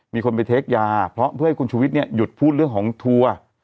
มีคนไปเทคยาเพราะเพื่อให้คุณชุวิตเนี่ยหยุดพูดเรื่องของทัวร์